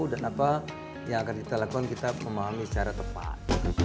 dan apa yang akan kita lakukan kita memahami secara tepat